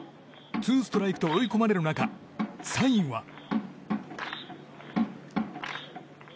ツーストライクと追い込まれる中サインは。